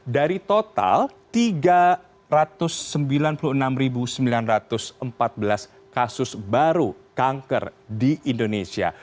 dari total tiga ratus sembilan puluh enam sembilan ratus empat belas kasus baru kanker di indonesia